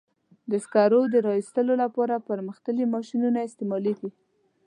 د سکرو د را ایستلو لپاره پرمختللي ماشینونه استعمالېږي.